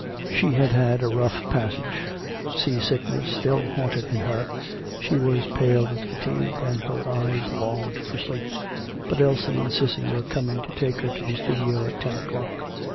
VI. She had had a rough passage: sea sickness still haunted in her, she was pale with fatigue, and her eyes longed for sleep. But Elsie and Cissy were coming to take her to the studio at ten o'clock.